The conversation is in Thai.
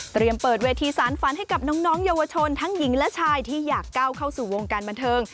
เปิดเวทีสารฝันให้กับน้องเยาวชนทั้งหญิงและชายที่อยากก้าวเข้าสู่วงการบันเทิง